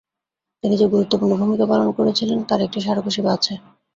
তিনি যে গুরুত্বপূর্ণ ভূমিকা পালন করেছিলেন তার একটি স্মারক হিসেবে আছে।